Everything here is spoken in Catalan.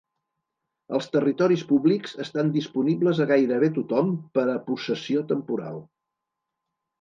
Els territoris públics estan "disponibles a gairebé tothom per a possessió temporal".